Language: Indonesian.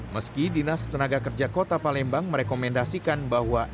meski dinas tenaga kerja kota palembang merekomendasikan bahwa